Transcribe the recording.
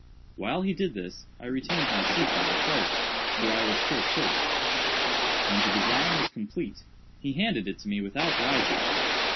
While he did this, I retained my seat by the fire, for I was still chilly. When the design was complete, he handed it to me without rising.